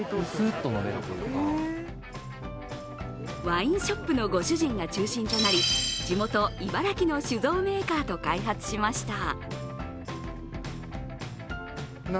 ワインショップのご主人が中心となり地元・茨城の酒造メーカーと開発しました。